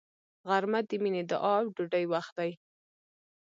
غرمه د مینې، دعا او ډوډۍ وخت دی